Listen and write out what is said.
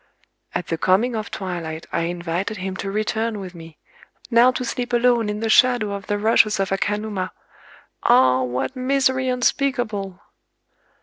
[_"At the coming of twilight I invited him to return with me—! Now to sleep alone in the shadow of the rushes of Akanuma—ah! what misery unspeakable!"